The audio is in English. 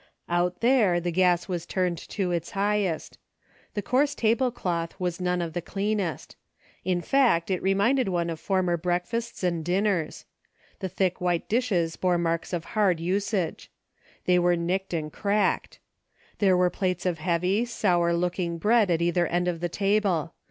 Out there the gas was turned to its highest. The coarse tablecloth was none of the clean est. In fact, it reminded one of former break fasts and dinners. The thick white dishes bore marks of hard usage. They were nicked and cracked. There were plates of heavy, sour looking bread at either end of the table.